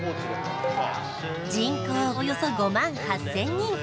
およそ５万８０００人